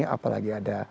apalagi ada geopolitik